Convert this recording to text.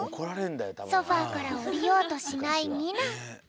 ソファーからおりようとしないニナ。